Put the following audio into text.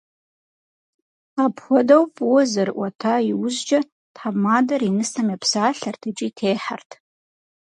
Апхуэдэу фӏыуэ зэрыӏуэта иужькӀэ, тхьэмадэр и нысэм епсалъэрт икӀи техьэрт.